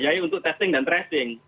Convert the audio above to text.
jadi untuk testing dan tracing